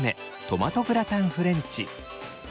トマトグラタンフレンチ。